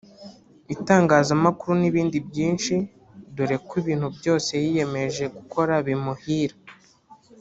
itangazamakuru n’ibindi byinshi dore ko ibintu byose yiyemeje gukora bimuhira